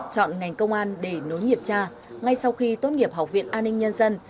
chọn ngành công an để nối nghiệp tra ngay sau khi tốt nghiệp học viện an ninh nhân dân